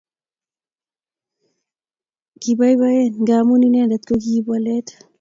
kiboboiyen ngamun inenedet ko kiip walet